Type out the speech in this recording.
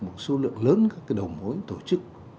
một số lượng lớn các đầu mối tổ chức